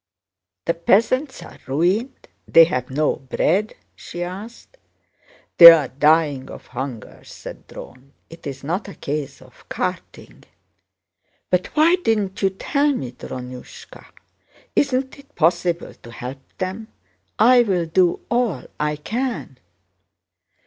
"The peasants are ruined? They have no bread?" she asked. "They're dying of hunger," said Dron. "It's not a case of carting." "But why didn't you tell me, Drónushka? Isn't it possible to help them? I'll do all I can...."